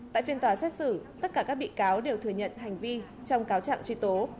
tại phiên tòa xét xử tất cả các bị cáo đều thừa nhận hành vi trong cáo trạng truy tố